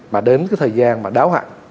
mà đến cái thời gian mà đáo hạn